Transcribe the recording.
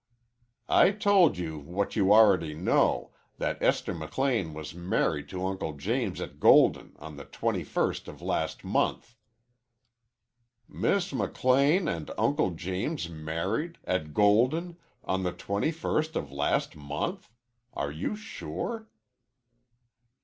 "I told you, what you already know, that Esther McLean was married to Uncle James at Golden on the twenty first of last month." "Miss McLean and Uncle James married at Golden on the twenty first of last month? Are you sure?"